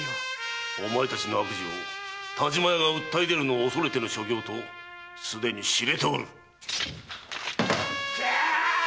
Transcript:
お前たちの悪事を田島屋が訴え出るのを恐れての所業とすでに知れておる！